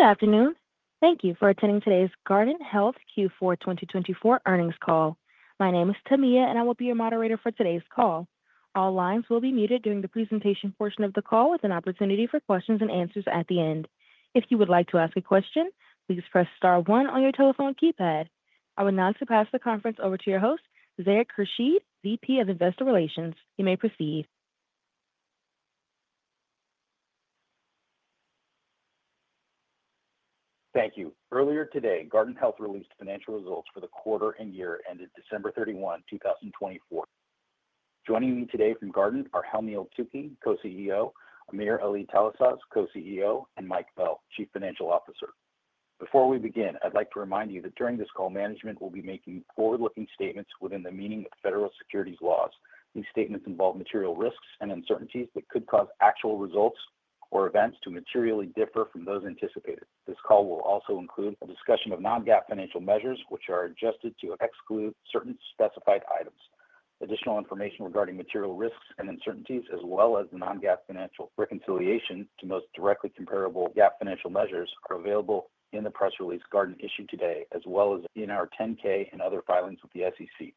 Good afternoon. Thank you for attending today's Guardant Health Q4 2024 earnings call. My name is Tamia, and I will be your moderator for today's call. All lines will be muted during the presentation portion of the call, with an opportunity for questions and answers at the end. If you would like to ask a question, please press star one on your telephone keypad. I will now pass the conference over to your host, Zarak Khurshid, VP of Investor Relations. You may proceed. Thank you. Earlier today, Guardant Health released financial results for the quarter and year ended 31 December 2024. Joining me today from Guardant are Helmy Eltoukhy, Co-CEO, AmirAli Talasaz, Co-CEO, and Mike Bell, Chief Financial Officer. Before we begin, I'd like to remind you that during this call, management will be making forward-looking statements within the meaning of federal securities laws. These statements involve material risks and uncertainties that could cause actual results or events to materially differ from those anticipated. This call will also include a discussion of non-GAAP financial measures, which are adjusted to exclude certain specified items. Additional information regarding material risks and uncertainties, as well as the non-GAAP financial reconciliation to most directly comparable GAAP financial measures, are available in the press release Guardant issued today, as well as in our 10-K and other filings with the SEC.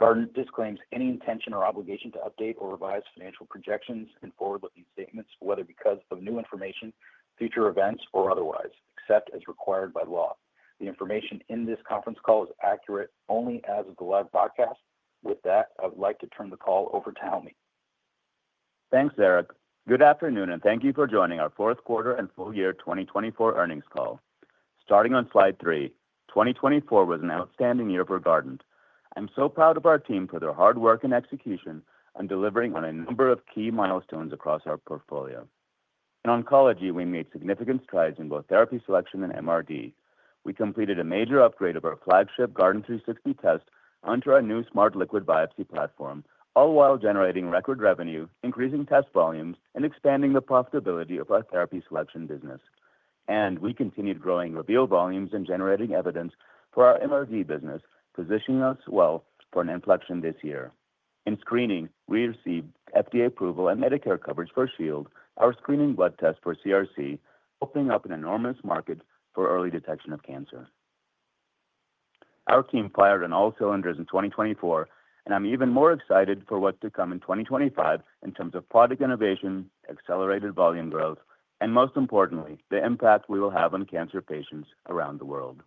Guardant disclaims any intention or obligation to update or revise financial projections and forward-looking statements, whether because of new information, future events, or otherwise, except as required by law. The information in this conference call is accurate only as of the live broadcast. With that, I would like to turn the call over to Helmy. Thanks, Zarak. Good afternoon, and thank you for joining our Q4 and full year 2024 earnings call. Starting on slide three, 2024 was an outstanding year for Guardant. I'm so proud of our team for their hard work and execution on delivering on a number of key milestones across our portfolio. In oncology, we made significant strides in both therapy selection and MRD. We completed a major upgrade of our flagship Guardant360 test onto our new Smart Liquid Biopsy platform, all while generating record revenue, increasing test volumes, and expanding the profitability of our therapy selection business, and we continued growing Reveal volumes and generating evidence for our MRD business, positioning us well for an inflection this year. In screening, we received FDA approval and Medicare coverage for Shield, our screening blood test for CRC, opening up an enormous market for early detection of cancer. Our team fired on all cylinders in 2024, and I'm even more excited for what's to come in 2025 in terms of product innovation, accelerated volume growth, and most importantly, the impact we will have on cancer patients around the world.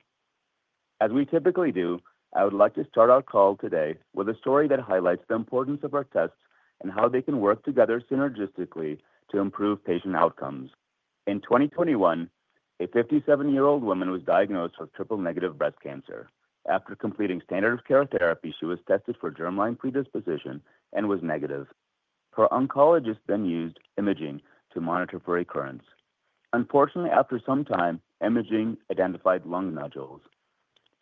As we typically do, I would like to start our call today with a story that highlights the importance of our tests and how they can work together synergistically to improve patient outcomes. In 2021, a 57-year-old woman was diagnosed with triple-negative breast cancer. After completing standard of care therapy, she was tested for germline predisposition and was negative. Her oncologist then used imaging to monitor for recurrence. Unfortunately, after some time, imaging identified lung nodules.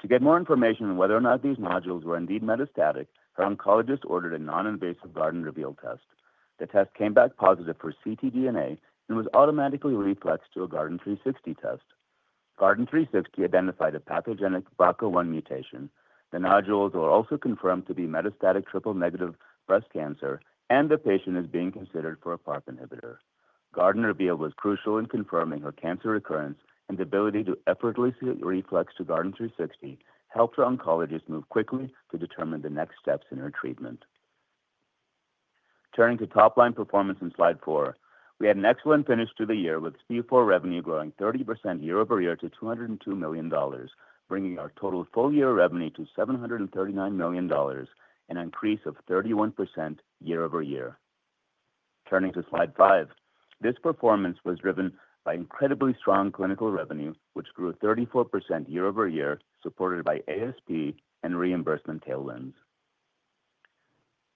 To get more information on whether or not these nodules were indeed metastatic, her oncologist ordered a non-invasive Guardant Reveal test. The test came back positive for ctDNA and was automatically reflexed to a Guardant360 test. Guardant360 identified a pathogenic BRCA1 mutation. The nodules were also confirmed to be metastatic triple-negative breast cancer, and the patient is being considered for a PARP inhibitor. Guardant Reveal was crucial in confirming her cancer recurrence, and the ability to effortlessly reflex to Guardant360 helped her oncologist move quickly to determine the next steps in her treatment. Turning to top-line performance in slide four, we had an excellent finish to the year with Q4 revenue growing 30% year-over-year to $202 million, bringing our total full-year revenue to $739 million and an increase of 31% year-over-year. Turning to slide five, this performance was driven by incredibly strong clinical revenue, which grew 34% year-over-year, supported by ASP and reimbursement tailwinds.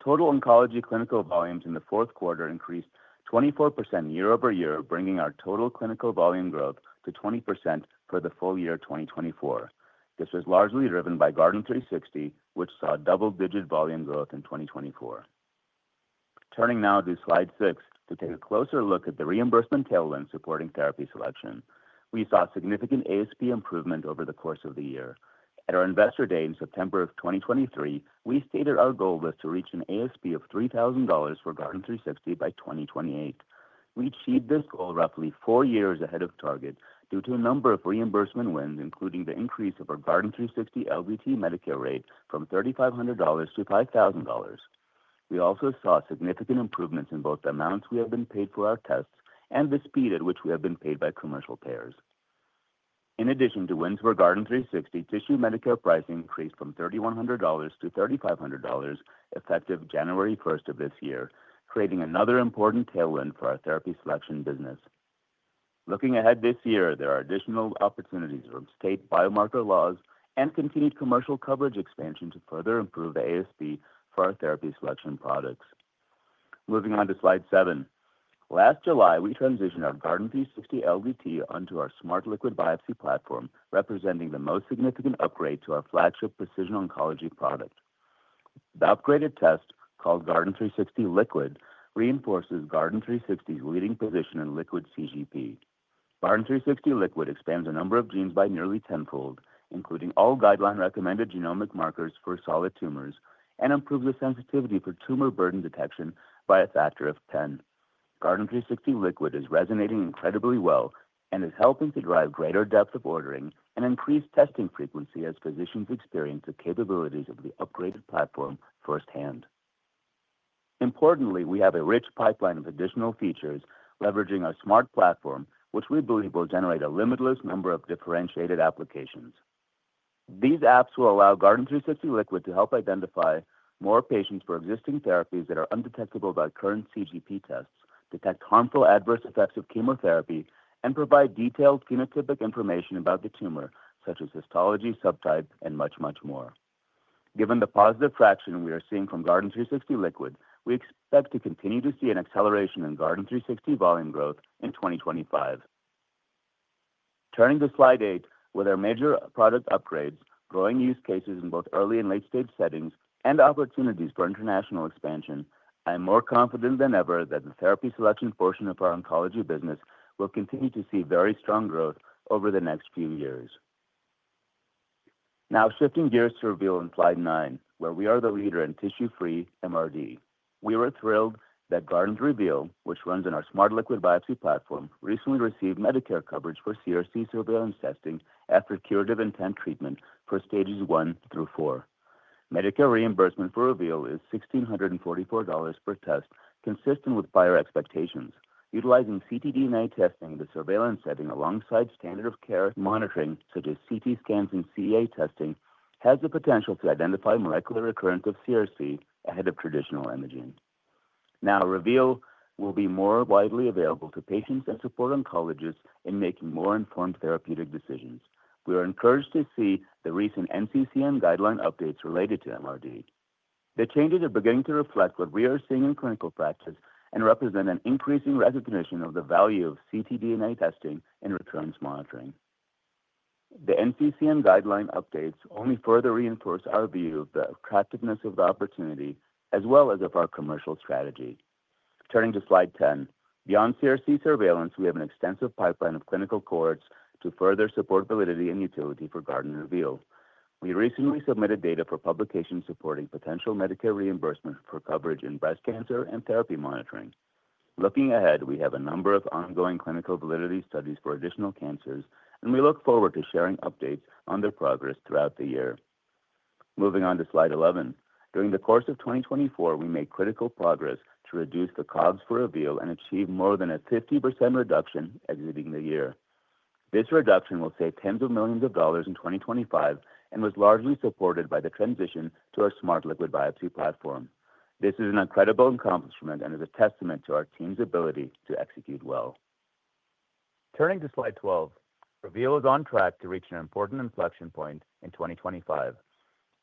Total oncology clinical volumes in the Q4 increased 24% year-over-year, bringing our total clinical volume growth to 20% for the full year 2024. This was largely driven by Guardant360, which saw double-digit volume growth in 2024. Turning now to slide six to take a closer look at the reimbursement tailwinds supporting therapy selection, we saw significant ASP improvement over the course of the year. At our investor day in September of 2023, we stated our goal was to reach an ASP of $3,000 for Guardant360 by 2028. We achieved this goal roughly four years ahead of target due to a number of reimbursement wins, including the increase of our Guardant360 LDT Medicare rate from $3,500 to $5,000. We also saw significant improvements in both the amounts we have been paid for our tests and the speed at which we have been paid by commercial payers. In addition to wins for Guardant360, tissue Medicare pricing increased from $3,100 to $3,500 effective January 1st of this year, creating another important tailwind for our therapy selection business. Looking ahead this year, there are additional opportunities from state biomarker laws and continued commercial coverage expansion to further improve the ASP for our therapy selection products. Moving on to slide seven, last July, we transitioned our Guardant360 LDT onto our Smart Liquid Biopsy platform, representing the most significant upgrade to our flagship precision oncology product. The upgraded test, called Guardant360 Liquid, reinforces Guardant360's leading position in liquid CGP. Guardant360 Liquid expands a number of genes by nearly tenfold, including all guideline-recommended genomic markers for solid tumors, and improves the sensitivity for tumor burden detection by a factor of 10. Guardant360 Liquid is resonating incredibly well and is helping to drive greater depth of ordering and increased testing frequency as physicians experience the capabilities of the upgraded platform firsthand. Importantly, we have a rich pipeline of additional features leveraging our smart platform, which we believe will generate a limitless number of differentiated applications. These apps will allow Guardant360 Liquid to help identify more patients for existing therapies that are undetectable by current CGP tests, detect harmful adverse effects of chemotherapy, and provide detailed phenotypic information about the tumor, such as histology, subtype, and much, much more. Given the positive traction we are seeing from Guardant360 Liquid, we expect to continue to see an acceleration in Guardant360 volume growth in 2025. Turning to slide eight, with our major product upgrades, growing use cases in both early and late-stage settings, and opportunities for international expansion, I'm more confident than ever that the therapy selection portion of our oncology business will continue to see very strong growth over the next few years. Now, shifting gears to Reveal in slide nine, where we are the leader in tissue-free MRD. We were thrilled that Guardant Reveal, which runs on our Smart Liquid Biopsy platform, recently received Medicare coverage for CRC surveillance testing after curative intent treatment for stages one through four. Medicare reimbursement for Reveal is $1,644 per test, consistent with prior expectations. Utilizing ctDNA testing in the surveillance setting alongside standard of care monitoring, such as CT scans and CEA testing, has the potential to identify molecular recurrence of CRC ahead of traditional imaging. Now, Reveal will be more widely available to patients and support oncologists in making more informed therapeutic decisions. We are encouraged to see the recent NCCN guideline updates related to MRD. The changes are beginning to reflect what we are seeing in clinical practice and represent an increasing recognition of the value of ctDNA testing in recurrence monitoring. The NCCN guideline updates only further reinforce our view of the attractiveness of the opportunity, as well as of our commercial strategy. Turning to slide 10, beyond CRC surveillance, we have an extensive pipeline of clinical cohorts to further support validity and utility for Guardant Reveal. We recently submitted data for publication supporting potential Medicare reimbursement for coverage in breast cancer and therapy monitoring. Looking ahead, we have a number of ongoing clinical validity studies for additional cancers, and we look forward to sharing updates on their progress throughout the year. Moving on to slide 11, during the course of 2024, we made critical progress to reduce the COGS for Reveal and achieve more than a 50% reduction exiting the year. This reduction will save tens of millions of dollars in 2025 and was largely supported by the transition to our Smart Liquid Biopsy platform. This is an incredible accomplishment and is a testament to our team's ability to execute well. Turning to slide 12, Reveal is on track to reach an important inflection point in 2025.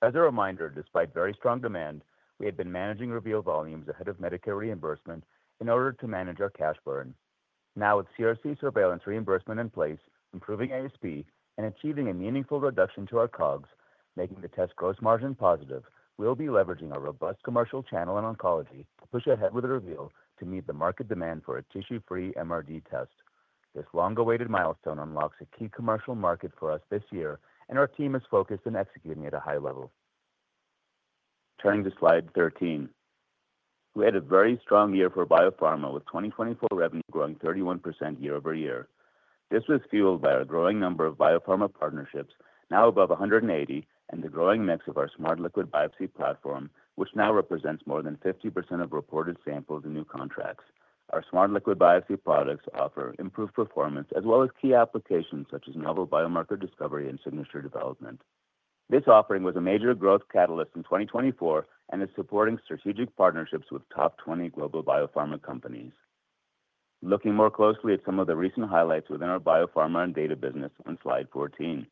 As a reminder, despite very strong demand, we had been managing Reveal volumes ahead of Medicare reimbursement in order to manage our cash burn. Now, with CRC surveillance reimbursement in place, improving ASP, and achieving a meaningful reduction to our COGS, making the test gross margin positive, we'll be leveraging our robust commercial channel in oncology to push ahead with Reveal to meet the market demand for a tissue-free MRD test. This long-awaited milestone unlocks a key commercial market for us this year, and our team is focused on executing at a high level. Turning to slide 13, we had a very strong year for biopharma, with 2024 revenue growing 31% year-over-year. This was fueled by our growing number of biopharma partnerships, now above 180, and the growing mix of our Smart Liquid Biopsy platform, which now represents more than 50% of reported samples in new contracts. Our Smart Liquid Biopsy products offer improved performance, as well as key applications such as novel biomarker discovery and signature development. This offering was a major growth catalyst in 2024 and is supporting strategic partnerships with top 20 global biopharma companies. Looking more closely at some of the recent highlights within our biopharma and data business on slide 14,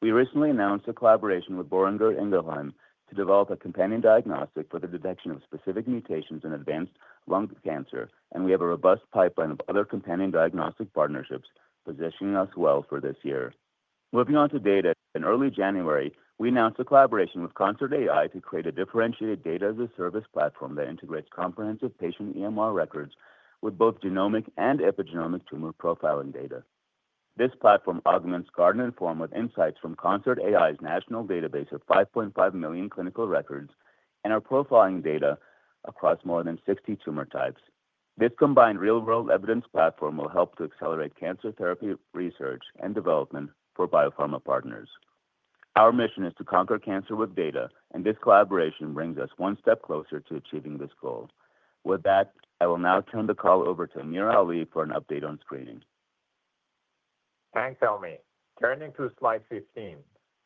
we recently announced a collaboration with Boehringer Ingelheim to develop a companion diagnostic for the detection of specific mutations in advanced lung cancer, and we have a robust pipeline of other companion diagnostic partnerships positioning us well for this year. Moving on to data, in early January, we announced a collaboration with ConcertAI to create a differentiated data as a service platform that integrates comprehensive patient EMR records with both genomic and epigenomic tumor profiling data. This platform augments Guardant Inform with insights from ConcertAI's national database of 5.5 million clinical records and our profiling data across more than 60 tumor types. This combined real-world evidence platform will help to accelerate cancer therapy research and development for biopharma partners. Our mission is to conquer cancer with data, and this collaboration brings us one step closer to achieving this goal. With that, I will now turn the call over to AmirAli for an update on screening. Thanks, Helmy. Turning to slide 15,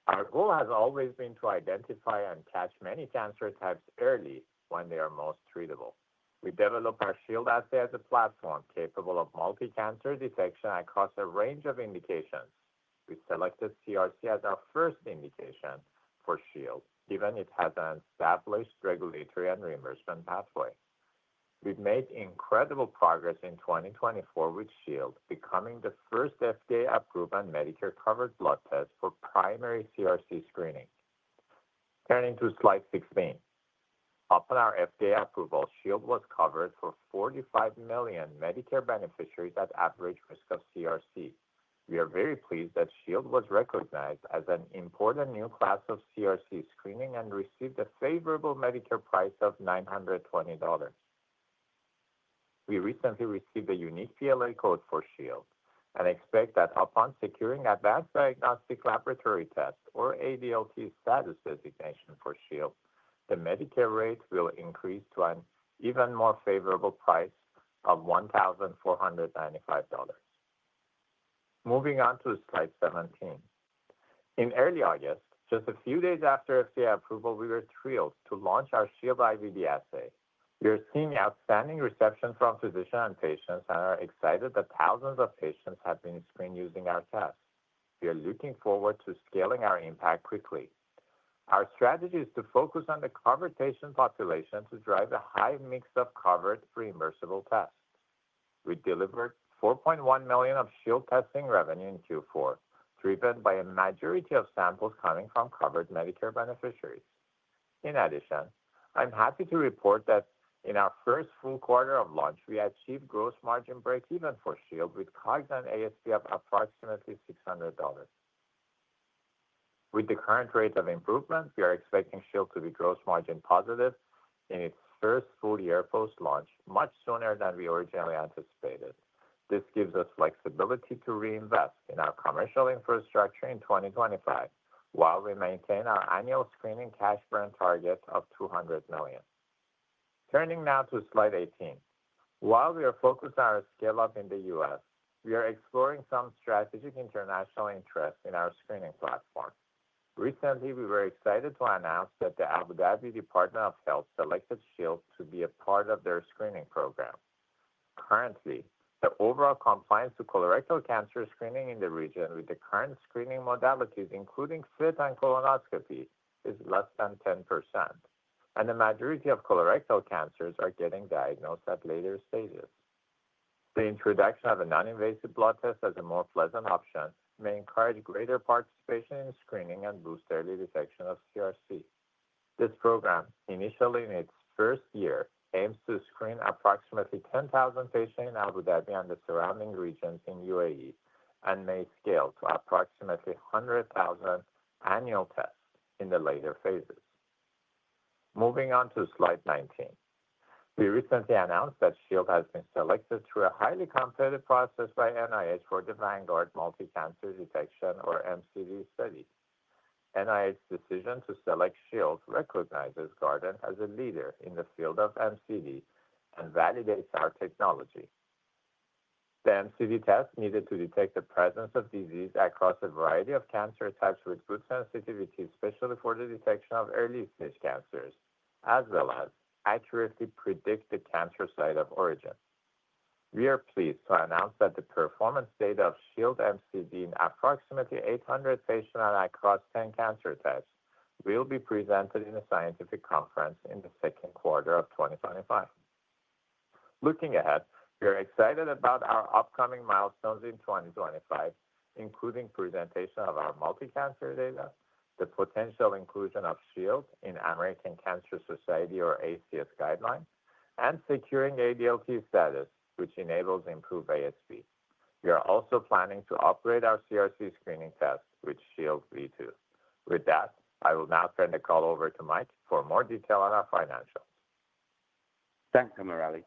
our goal has always been to identify and catch many cancer types early when they are most treatable. We developed our Shield assay as a platform capable of multi-cancer detection across a range of indications. We selected CRC as our first indication for Shield, given it has an established regulatory and reimbursement pathway. We've made incredible progress in 2024 with Shield, becoming the first FDA-approved and Medicare-covered blood test for primary CRC screening. Turning to slide 16, upon our FDA approval, Shield was covered for 45 million Medicare beneficiaries at average risk of CRC. We are very pleased that Shield was recognized as an important new class of CRC screening and received a favorable Medicare price of $920. We recently received a unique PLA code for Shield and expect that upon securing advanced diagnostic laboratory test or ADLT status designation for Shield, the Medicare rate will increase to an even more favorable price of $1,495. Moving on to slide 17, in early August, just a few days after FDA approval, we were thrilled to launch our Shield IVD assay. We are seeing outstanding reception from physicians and patients and are excited that thousands of patients have been screened using our test. We are looking forward to scaling our impact quickly. Our strategy is to focus on the covered patient population to drive a high mix of covered reimbursable tests. We delivered $4.1 million of Shield testing revenue in Q4, driven by a majority of samples coming from covered Medicare beneficiaries. In addition, I'm happy to report that in our first full quarter of launch, we achieved gross margin breakeven for Shield with COGS and ASP of approximately $600. With the current rate of improvement, we are expecting Shield to be gross margin positive in its first full year post-launch, much sooner than we originally anticipated. This gives us flexibility to reinvest in our commercial infrastructure in 2025 while we maintain our annual screening cash burn target of $200 million. Turning now to slide 18, while we are focused on our scale-up in the U.S., we are exploring some strategic international interests in our screening platform. Recently, we were excited to announce that the Abu Dhabi Department of Health selected Shield to be a part of their screening program. Currently, the overall compliance to colorectal cancer screening in the region with the current screening modalities, including FIT and colonoscopy, is less than 10%, and the majority of colorectal cancers are getting diagnosed at later stages. The introduction of a non-invasive blood test as a more pleasant option may encourage greater participation in screening and boost early detection of CRC. This program, initially in its first year, aims to screen approximately 10,000 patients in Abu Dhabi and the surrounding regions in UAE and may scale to approximately 100,000 annual tests in the later phases. Moving on to slide 19, we recently announced that Shield has been selected through a highly competitive process by NIH for the Vanguard Multi-Cancer Detection, or MCD, study. NIH's decision to select Shield recognizes Guardant as a leader in the field of MCD and validates our technology. The MCD test needed to detect the presence of disease across a variety of cancer types with good sensitivity, especially for the detection of early stage cancers, as well as accurately predict the cancer site of origin. We are pleased to announce that the performance data of Shield MCD in approximately 800 patients across 10 cancer types will be presented in a scientific conference in the Q2 of 2025. Looking ahead, we are excited about our upcoming milestones in 2025, including presentation of our multi-cancer data, the potential inclusion of Shield in American Cancer Society, or ACS, guidelines, and securing ADLT status, which enables improved ASP. We are also planning to upgrade our CRC screening test with Shield V2. With that, I will now turn the call over to Mike for more detail on our financials. Thanks, AmirAli.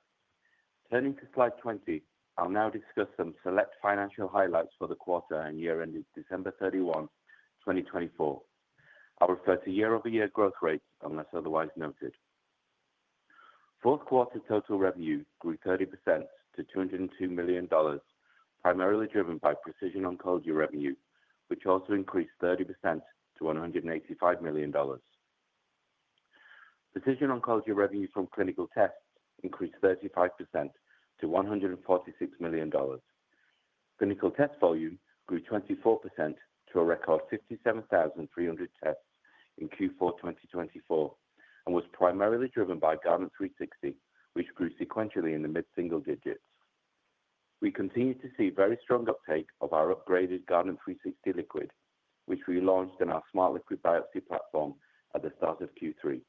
Turning to slide 20, I'll now discuss some select financial highlights for the quarter and year-ending December 31, 2024. I'll refer to year-over-year growth rates, unless otherwise noted. Q4 total revenue grew 30% to $202 million, primarily driven by precision oncology revenue, which also increased 30% to $185 million. Precision oncology revenue from clinical tests increased 35% to $146 million. Clinical test volume grew 24% to a record 57,300 tests in Q4 2024 and was primarily driven by Guardant360, which grew sequentially in the mid-single digits. We continue to see very strong uptake of our upgraded Guardant360 Liquid, which we launched in our Smart Liquid Biopsy platform at the start of Q3.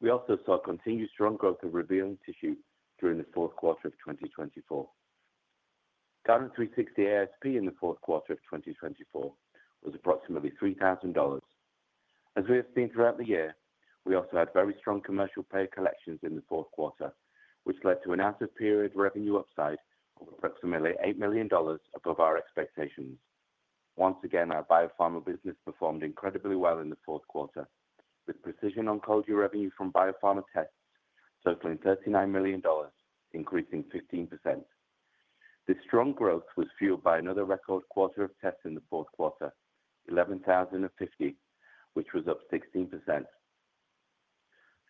We also saw continued strong growth of Guardant Reveal and Guardant360 Tissue during the Q4 of 2024. Guardant360 ASP in the Q4 of 2024 was approximately $3,000. As we have seen throughout the year, we also had very strong commercial pay collections in the Q4, which led to an out-of-period revenue upside of approximately $8 million above our expectations. Once again, our biopharma business performed incredibly well in the Q4, with precision oncology revenue from biopharma tests totaling $39 million, increasing 15%. This strong growth was fueled by another record quarter of tests in the Q4, 11,050, which was up 16%.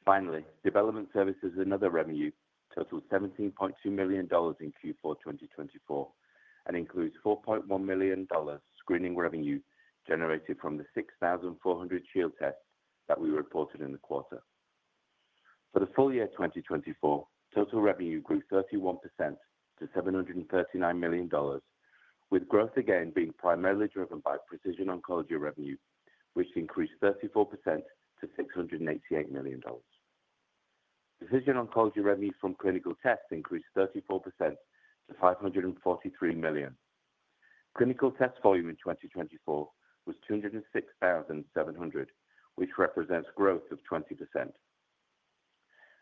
Finally, development services and other revenue totaling $17.2 million in Q4 2024 and includes $4.1 million screening revenue generated from the 6,400 Shield tests that we reported in the quarter. For the full year 2024, total revenue grew 31% to $739 million, with growth again being primarily driven by precision oncology revenue, which increased 34% to $688 million. Precision oncology revenue from clinical tests increased 34% to $543 million. Clinical test volume in 2024 was 206,700, which represents growth of 20%.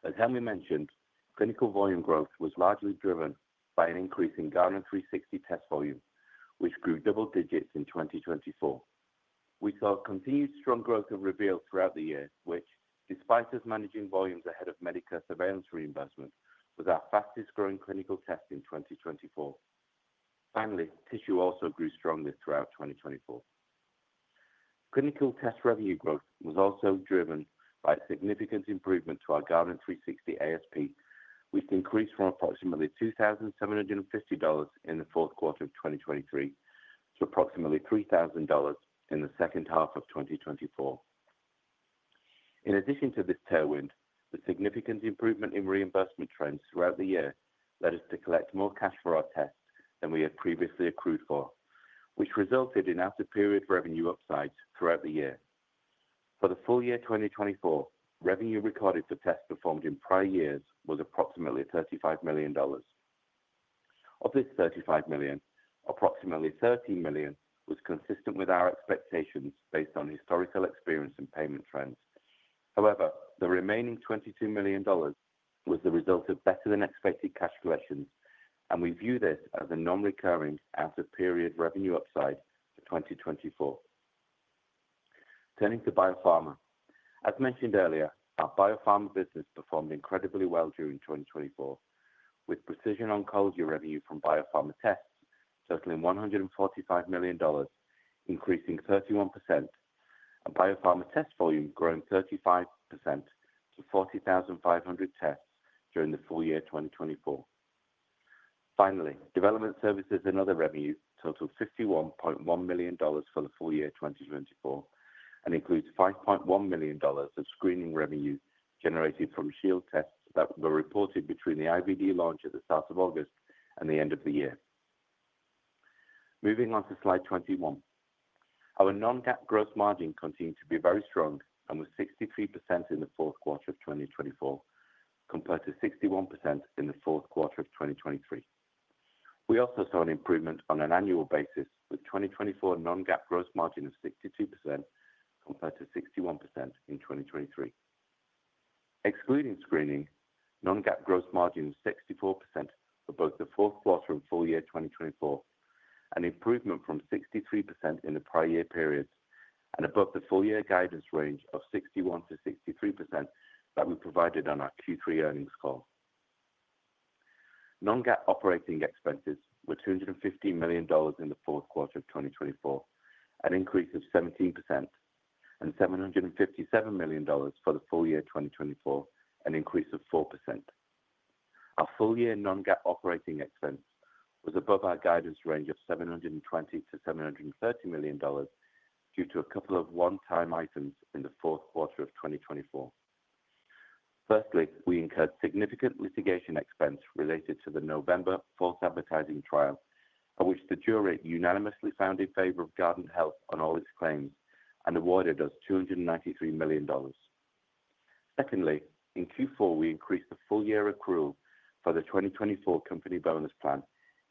As Helmy mentioned, clinical volume growth was largely driven by an increase in Guardant360 test volume, which grew double digits in 2024. We saw continued strong growth of Reveal throughout the year, which, despite us managing volumes ahead of Medicare surveillance reimbursement, was our fastest growing clinical test in 2024. Finally, Tissue also grew strongly throughout 2024. Clinical test revenue growth was also driven by a significant improvement to our Guardant360 ASP, which increased from approximately $2,750 in the Q4 of 2023 to approximately $3,000 in the second half of 2024. In addition to this tailwind, the significant improvement in reimbursement trends throughout the year led us to collect more cash for our tests than we had previously accrued for, which resulted in out-of-period revenue upsides throughout the year. For the full year 2024, revenue recorded for tests performed in prior years was approximately $35 million. Of this $35 million, approximately $13 million was consistent with our expectations based on historical experience and payment trends. However, the remaining $22 million was the result of better-than-expected cash collections, and we view this as a non-recurring one-period revenue upside for 2024. Turning to biopharma, as mentioned earlier, our biopharma business performed incredibly well during 2024, with precision oncology revenue from biopharma tests totaling $145 million, increasing 31%, and biopharma test volume growing 35% to 40,500 tests during the full year 2024. Finally, development services and other revenue totaled $51.1 million for the full year 2024 and includes $5.1 million of screening revenue generated from Shield tests that were reported between the IVD launch at the start of August and the end of the year. Moving on to slide 21, our non-GAAP gross margin continued to be very strong and was 63% in the Q4 of 2024, compared to 61% in the Q4 of 2023. We also saw an improvement on an annual basis, with 2024 non-GAAP gross margin of 62% compared to 61% in 2023. Excluding screening, non-GAAP gross margin was 64% for both the Q4 and full year 2024, an improvement from 63% in the prior year periods and above the full year guidance range of 61%-63% that we provided on our Q3 earnings call. Non-GAAP operating expenses were $215 million in the Q4 of 2024, an increase of 17%, and $757 million for the full year 2024, an increase of 4%. Our full year non-GAAP operating expense was above our guidance range of $720 million-$730 million due to a couple of one-time items in the Q4 of 2024. Firstly, we incurred significant litigation expense related to the November false advertising trial, at which the jury unanimously found in favor of Guardant Health on all its claims and awarded us $293 million. Secondly, in Q4, we increased the full year accrual for the 2024 company bonus plan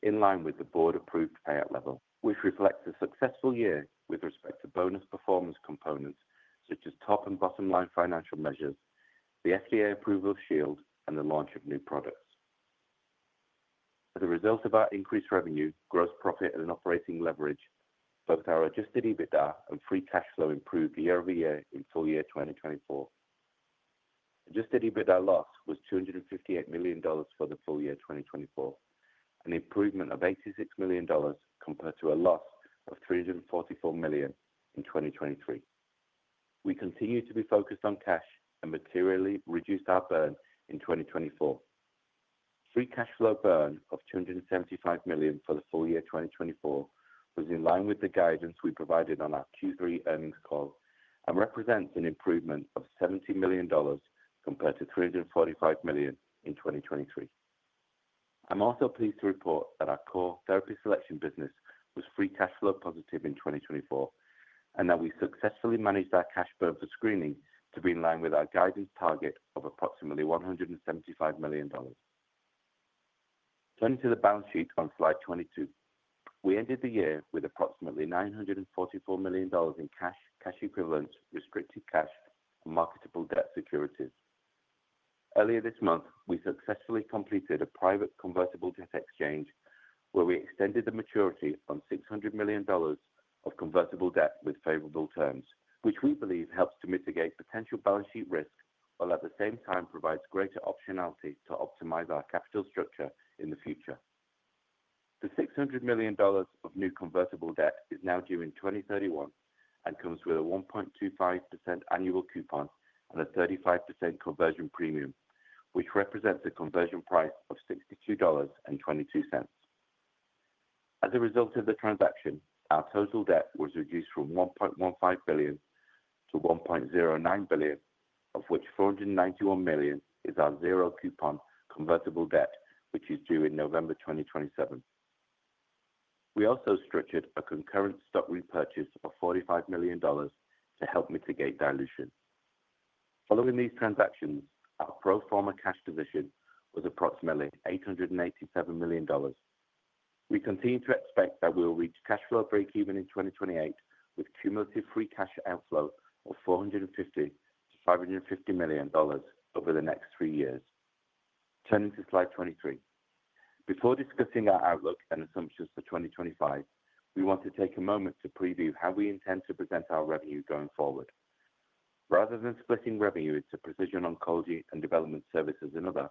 in line with the board-approved payout level, which reflects a successful year with respect to bonus performance components such as top and bottom-line financial measures, the FDA approval of Shield, and the launch of new products. As a result of our increased revenue, gross profit, and operating leverage, both our adjusted EBITDA and free cash flow improved year-over-year in full year 2024. Adjusted EBITDA loss was $258 million for the full year 2024, an improvement of $86 million compared to a loss of $344 million in 2023. We continue to be focused on cash and materially reduced our burn in 2024. Free cash flow burn of $275 million for the full year 2024 was in line with the guidance we provided on our Q3 earnings call and represents an improvement of $70 million compared to $345 million in 2023. I'm also pleased to report that our core therapy selection business was free cash flow positive in 2024 and that we successfully managed our cash burn for screening to be in line with our guidance target of approximately $175 million. Turning to the balance sheet on slide 22, we ended the year with approximately $944 million in cash, cash equivalents, restricted cash, and marketable debt securities. Earlier this month, we successfully completed a private convertible debt exchange where we extended the maturity on $600 million of convertible debt with favorable terms, which we believe helps to mitigate potential balance sheet risk while at the same time provides greater optionality to optimize our capital structure in the future. The $600 million of new convertible debt is now due in 2031 and comes with a 1.25% annual coupon and a 35% conversion premium, which represents a conversion price of $62.22. As a result of the transaction, our total debt was reduced from $1.15 billion to $1.09 billion, of which $491 million is our zero coupon convertible debt, which is due in November 2027. We also structured a concurrent stock repurchase of $45 million to help mitigate dilution. Following these transactions, our pro forma cash position was approximately $887 million. We continue to expect that we will reach cash flow break-even in 2028, with cumulative free cash outflow of $450 million-$550 million over the next three years. Turning to slide 23, before discussing our outlook and assumptions for 2025, we want to take a moment to preview how we intend to present our revenue going forward. Rather than splitting revenue into precision oncology and development services and other,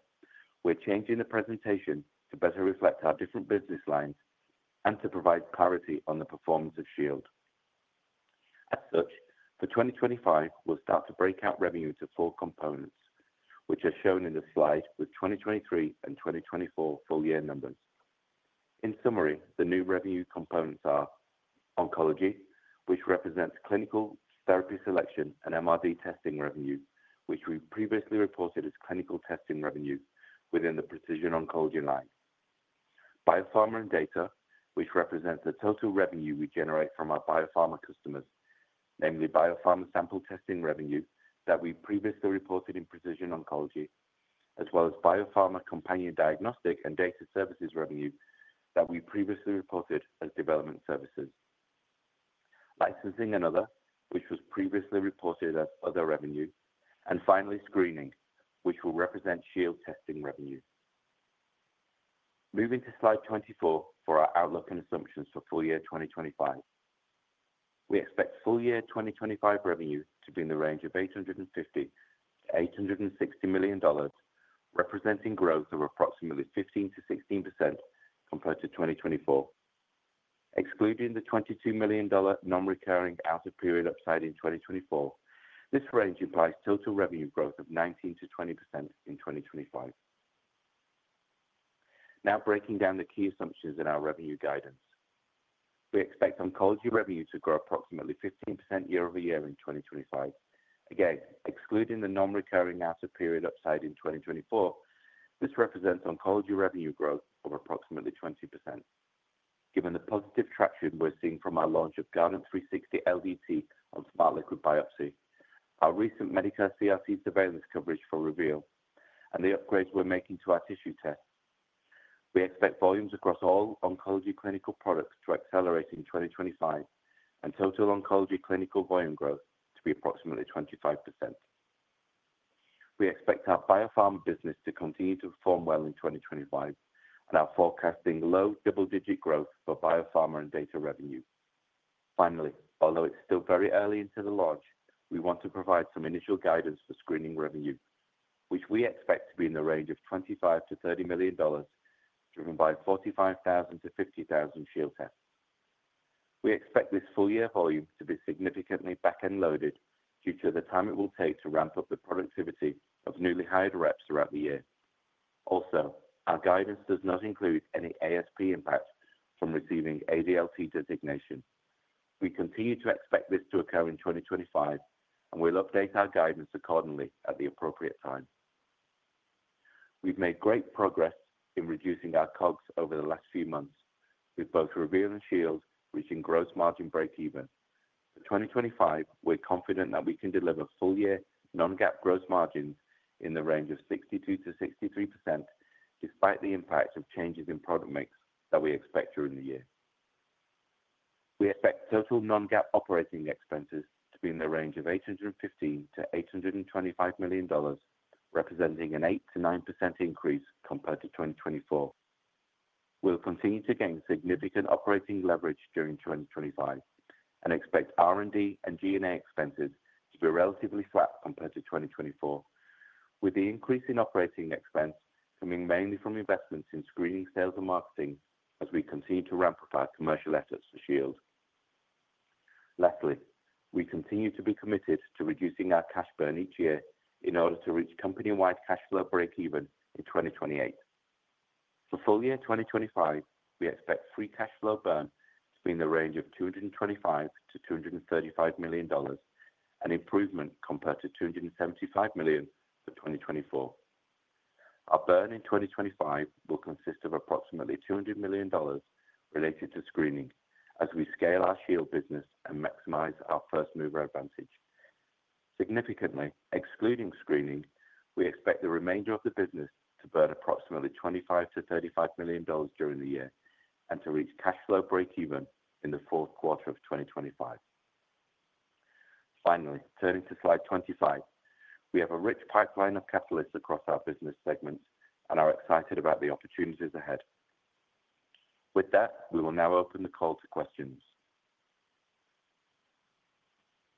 we're changing the presentation to better reflect our different business lines and to provide clarity on the performance of Shield. As such, for 2025, we'll start to break out revenue into four components, which are shown in the slide with 2023 and 2024 full year numbers. In summary, the new revenue components are oncology, which represents clinical therapy selection and MRD testing revenue, which we previously reported as clinical testing revenue within the precision oncology line. Biopharma and data, which represents the total revenue we generate from our biopharma customers, namely biopharma sample testing revenue that we previously reported in precision oncology, as well as biopharma companion diagnostic and data services revenue that we previously reported as development services. Licensing and other, which was previously reported as other revenue, and finally screening, which will represent Shield testing revenue. Moving to slide 24 for our outlook and assumptions for full year 2025, we expect full year 2025 revenue to be in the range of $850 million-$860 million, representing growth of approximately 15%-16% compared to 2024. Excluding the $22 million non-recurring out-of-period upside in 2024, this range implies total revenue growth of 19%-20% in 2025. Now, breaking down the key assumptions in our revenue guidance, we expect oncology revenue to grow approximately 15% year-over-year in 2025. Again, excluding the non-recurring out-of-period upside in 2024, this represents oncology revenue growth of approximately 20%. Given the positive traction we're seeing from our launch of Guardant360 LDT on Smart Liquid Biopsy, our recent Medicare CRC surveillance coverage for Reveal, and the upgrades we're making to our tissue tests, we expect volumes across all oncology clinical products to accelerate in 2025 and total oncology clinical volume growth to be approximately 25%. We expect our biopharma business to continue to perform well in 2025 and our forecast being low double-digit growth for biopharma and data revenue. Finally, although it's still very early into the launch, we want to provide some initial guidance for screening revenue, which we expect to be in the range of $25-$30 million, driven by $45,000-$50,000 Shield tests. We expect this full year volume to be significantly back-end loaded due to the time it will take to ramp up the productivity of newly hired reps throughout the year. Also, our guidance does not include any ASP impact from receiving ADLT designation. We continue to expect this to occur in 2025, and we'll update our guidance accordingly at the appropriate time. We've made great progress in reducing our COGS over the last few months, with both Reveal and Shield reaching gross margin break-even. For 2025, we're confident that we can deliver full year non-GAAP gross margins in the range of 62%-63%, despite the impact of changes in product mix that we expect during the year. We expect total non-GAAP operating expenses to be in the range of $815 million-$825 million, representing an 8%-9% increase compared to 2024. We'll continue to gain significant operating leverage during 2025 and expect R&D and G&A expenses to be relatively flat compared to 2024, with the increase in operating expense coming mainly from investments in screening, sales, and marketing as we continue to ramp up our commercial efforts for Shield. Lastly, we continue to be committed to reducing our cash burn each year in order to reach company-wide cash flow break-even in 2028. For full year 2025, we expect free cash flow burn to be in the range of $225 million-$235 million, an improvement compared to $275 million for 2024. Our burn in 2025 will consist of approximately $200 million related to screening as we scale our Shield business and maximize our first-mover advantage. Significantly, excluding screening, we expect the remainder of the business to burn approximately $25 million-$35 million during the year and to reach cash flow break-even in the Q4 of 2025. Finally, turning to slide 25, we have a rich pipeline of catalysts across our business segments, and we are excited about the opportunities ahead. With that, we will now open the call to questions.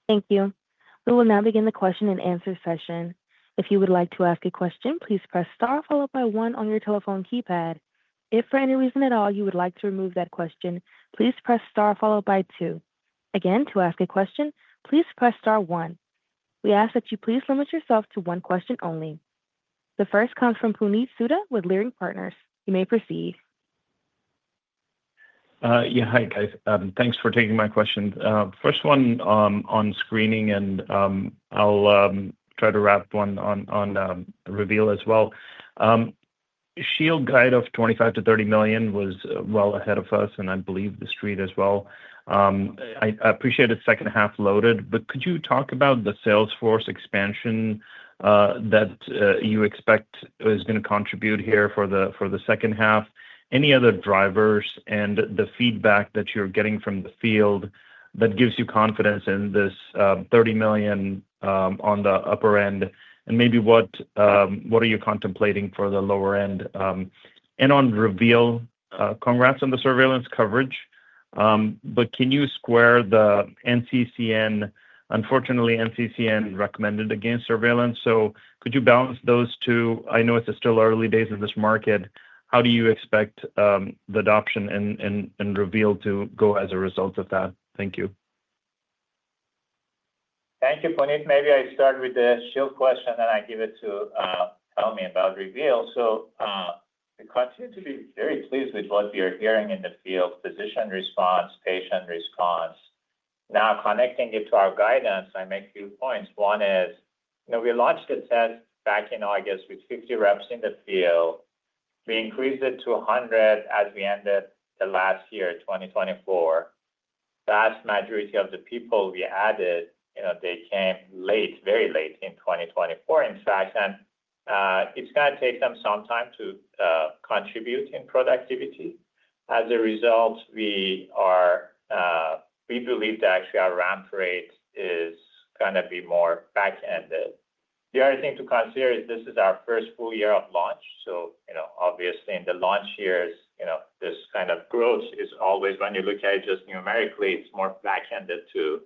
Thank you. We will now begin the question and answer session. If you would like to ask a question, please press Star followed by one on your telephone keypad. If for any reason at all you would like to remove that question, please press star followed by two. Again, to ask a question, please press star one. We ask that you please limit yourself to one question only. The first comes from Puneet Souda with Leerink Partners. You may proceed. Yeah, hi, guys. Thanks for taking my question. First one on screening, and I'll try to wrap one on Reveal as well. Shield guide of $25 million-$30 million was well ahead of us, and I believe the street as well. I appreciate it's second half loaded, but could you talk about the Salesforce expansion that you expect is going to contribute here for the second half? Any other drivers and the feedback that you're getting from the field that gives you confidence in this $30 million on the upper end? And maybe what are you contemplating for the lower end? And on Reveal, congrats on the surveillance coverage, but can you square the NCCN? Unfortunately, NCCN recommended against surveillance, so could you balance those two? I know it's still early days of this market. How do you expect the adoption and Reveal to go as a result of that? Thank you. Thank you, Puneet. Maybe I start with the Shield question, then I give it to Helmy about Reveal. So we continue to be very pleased with what we are hearing in the field: physician response, patient response. Now, connecting it to our guidance, I make a few points. One is we launched a test back in August with 50 reps in the field. We increased it to 100 as we ended the last year, 2024. The vast majority of the people we added, they came late, very late in 2024, in fact, and it's going to take them some time to contribute in productivity. As a result, we believe that actually our ramp rate is going to be more back-ended. The other thing to consider is this is our first full year of launch, so obviously in the launch years, this kind of growth is always, when you look at it just numerically, it's more back-ended too.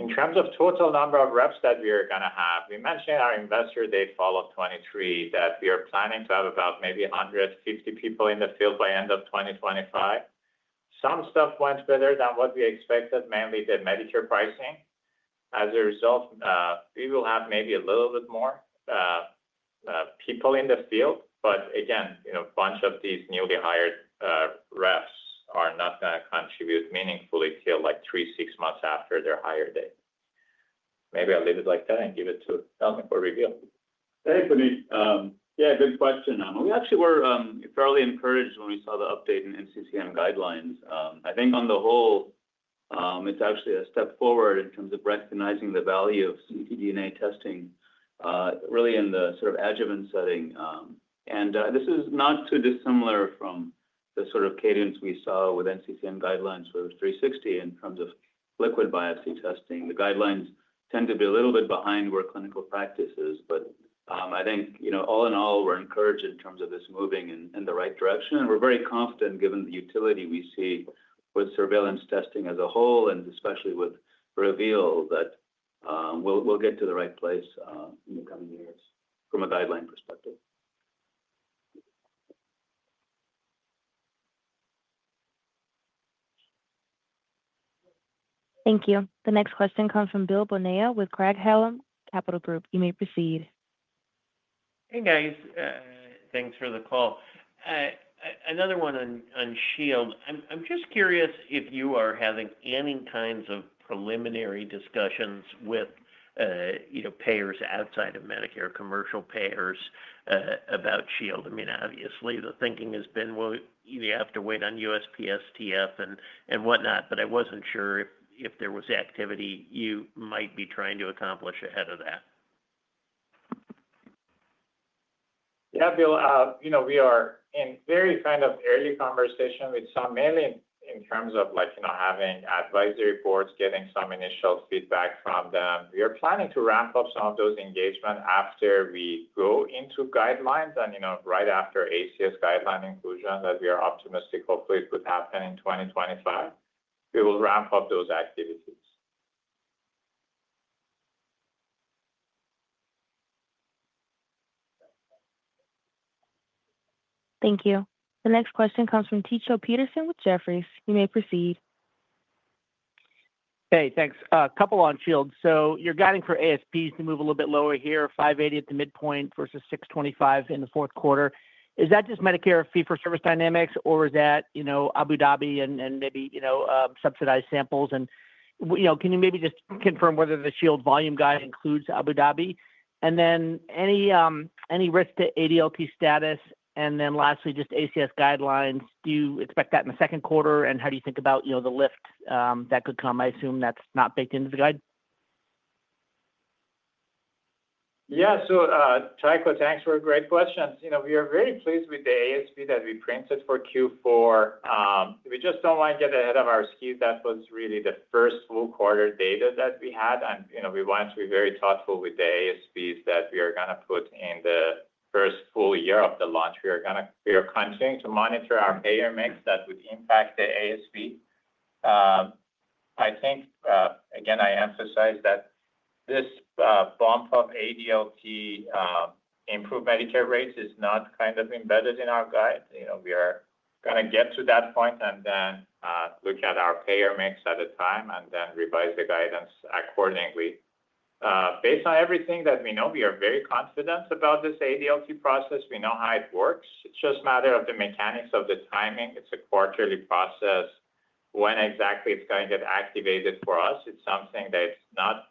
In terms of total number of reps that we are going to have, we mentioned our investor day follow-up 2023 that we are planning to have about maybe 150 people in the field by end of 2025. Some stuff went better than what we expected, mainly the Medicare pricing. As a result, we will have maybe a little bit more people in the field, but again, a bunch of these newly hired reps are not going to contribute meaningfully till like three, six months after their hire date. Maybe I'll leave it like that and give it to Helmy for Reveal. Thanks, Puneet. Yeah, good question, Puneet. We actually were fairly encouraged when we saw the update in NCCN guidelines. I think on the whole, it's actually a step forward in terms of recognizing the value of ctDNA testing, really in the sort of adjuvant setting. And this is not too dissimilar from the sort of cadence we saw with NCCN guidelines for 360 in terms of liquid biopsy testing. The guidelines tend to be a little bit behind where clinical practice is, but I think all in all, we're encouraged in terms of this moving in the right direction. And we're very confident given the utility we see with surveillance testing as a whole, and especially with Reveal, that we'll get to the right place in the coming years from a guideline perspective. Thank you. The next question comes from Bill Bonello with Craig-Hallum Capital Group. You may proceed. Hey, guys. Thanks for the call. Another one on Shield. I'm just curious if you are having any kinds of preliminary discussions with payers outside of Medicare, commercial payers, about Shield. I mean, obviously, the thinking has been, well, you have to wait on USPSTF and whatnot, but I wasn't sure if there was activity you might be trying to accomplish ahead of that. Yeah, Bill, we are in very kind of early conversation with some mainly in terms of having advisory boards, getting some initial feedback from them. We are planning to ramp up some of those engagements after we go into guidelines and right after ACS guideline inclusion that we are optimistic, hopefully, it could happen in 2025. We will ramp up those activities. Thank you. The next question comes from Tycho Peterson with Jefferies. You may proceed. Hey, thanks. A couple on Shield. So you're guiding for ASPs to move a little bit lower here, $580 at the midpoint versus $625 in the Q4. Is that just Medicare fee-for-service dynamics, or is that Abu Dhabi and maybe subsidized samples? And can you maybe just confirm whether the Shield volume guide includes Abu Dhabi? And then any risk to ADLT status? And then lastly, just ACS guidelines. Do you expect that in the Q2, and how do you think about the lift that could come? I assume that's not baked into the guide. Yeah, so thanks for a great question. We are very pleased with the ASP that we printed for Q4. We just don't want to get ahead of our skis. That was really the first full quarter data that we had, and we want to be very thoughtful with the ASPs that we are going to put in the first full year of the launch. We are continuing to monitor our payer mix that would impact the ASP. I think, again, I emphasize that this bump of ADLT improved Medicare rates is not kind of embedded in our guide. We are going to get to that point and then look at our payer mix at a time and then revise the guidance accordingly. Based on everything that we know, we are very confident about this ADLT process. We know how it works. It's just a matter of the mechanics of the timing. It's a quarterly process. When exactly it's going to get activated for us, it's something that's not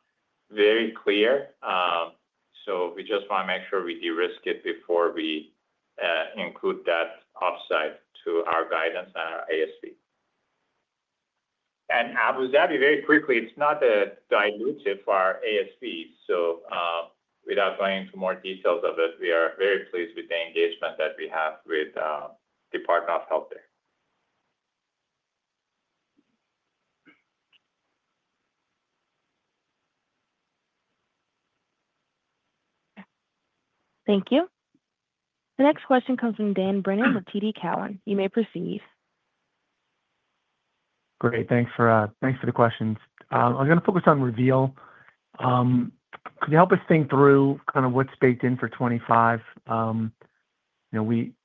very clear. So we just want to make sure we de-risk it before we include that upside to our guidance and our ASP. And Abu Dhabi, very quickly, it's not diluted for our ASP. So without going into more details of it, we are very pleased with the engagement that we have with the Department of Health. Thank you. The next question comes from Dan Brennan with TD Cowen. You may proceed. Great. Thanks for the questions. I was going to focus on Reveal. Could you help us think through kind of what's baked in for 2025?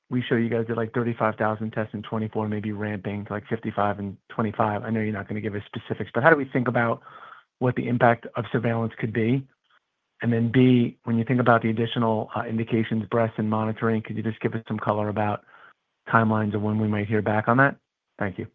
We show you guys did like 35,000 tests in 2024 and maybe ramping to like 55 in 2025. I know you're not going to give us specifics, but how do we think about what the impact of surveillance could be? And then B, when you think about the additional indications, breadth, and monitoring, could you just give us some color about timelines of when we might hear back on that? Thank you.